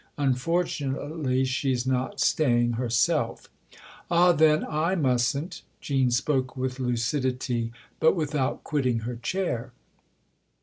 Unfortunately she's not staying her self." " Ah, then, /mustn't !" Jean spoke with lucidity, but without quitting her chair.